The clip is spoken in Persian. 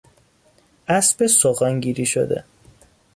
اسب سوغانگیری شده